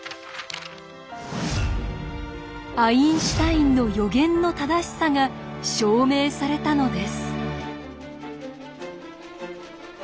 アインシュタインの予言の正しさが証明されたのです。